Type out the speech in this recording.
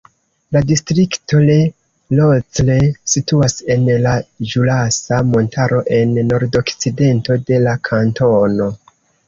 La distrikto Le Locle situas en la Ĵurasa Montaro en nordokcidento de la kantono.